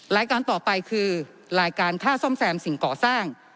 รายการต่อไปคือรายการค่าซ่อมแซมสิ่งก่อสร้าง